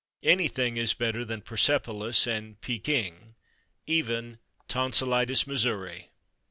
Anything is better than Persepolis and Pekin—even Tonsilitis, Missouri.